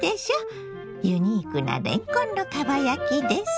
ユニークなれんこんのかば焼きです。